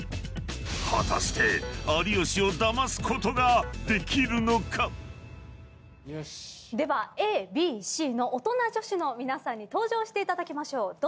［果たして］ではＡＢＣの大人女子の皆さんに登場していただきましょう。